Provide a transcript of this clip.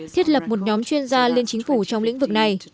thiết lập một nhóm chuyên gia lên chính phủ trong lĩnh vực này